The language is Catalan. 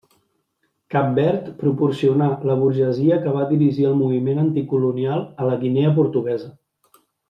Cap Verd proporcionà la burgesia que va dirigir el moviment anticolonial a la Guinea portuguesa.